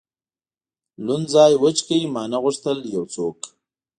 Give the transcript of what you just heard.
لوند ځای وچ کړ، ما نه غوښتل یو څوک.